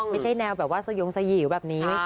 ไม่ใช่แนวแบบว่าสยงสยี๋วแบบนี้ไม่ใช่